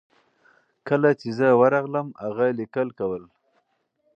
کله چې زه ورغلم هغه لیکل کول.